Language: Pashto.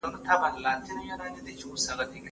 آس په خپل خلاصون سره د ټولې سیمې لپاره د امید ستوری شو.